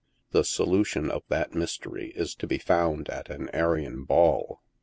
The solution of that mystery is to be found at aa Arion Ball.